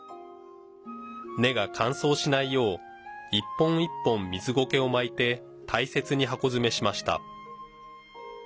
根が乾燥しないよう、一本一本みずごけを巻いて大切に箱詰めしました。